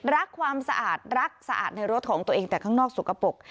ความสะอาดรักสะอาดในรถของตัวเองแต่ข้างนอกสกปรก